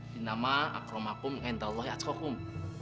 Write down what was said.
di nama akromakum entallahi atsukum